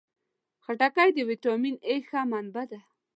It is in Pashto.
خټکی د ویټامین A ښه منبع ده.